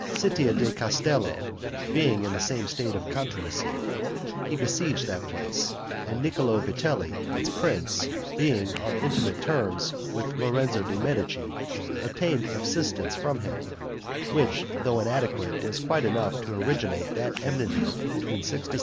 Citta di Castello being in the same state of contumacy, he besieged that place; and Niccolo Vitelli its prince, being on intimate terms with Lorenzo de' Medici, obtained assistance from him, which, though inadequate, was quite enough to originate that enmity between Sixtus IV.